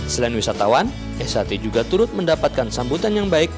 selain wisatawan sht juga turut mendapatkan sambutan yang baik